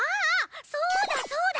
そうだそうだ！